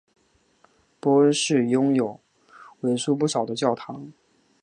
波恩市拥有为数不少的教堂。